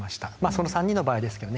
この３人の場合ですけどね。